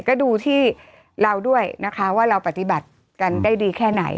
ก็ดูที่เราด้วยนะคะว่าเราปฏิบัติกันได้ดีแค่ไหน